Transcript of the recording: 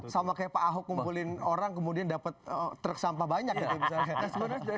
sama kayak pak ahok ngumpulin orang kemudian dapat truk sampah banyak gitu misalnya